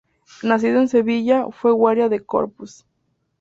Nacido en Sevilla, fue guardia de corps.